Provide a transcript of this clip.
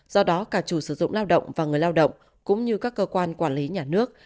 do đó cả chủ sử dụng lao động và người lao động cũng như các cơ quan quản lý nhà nước